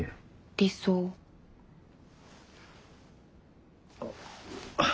理想？あっ。